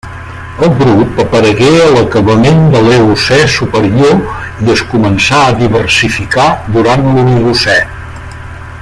El grup aparegué a l'acabament de l'Eocè superior i es començà a diversificar durant l'Oligocè.